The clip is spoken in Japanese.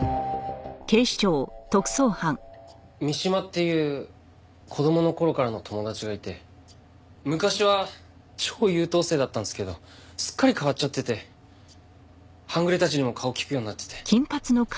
三島っていう子供の頃からの友達がいて昔は超優等生だったんですけどすっかり変わっちゃってて半グレたちにも顔利くようになってて。